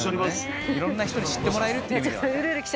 色んな人に知ってもらえるって意味ではね。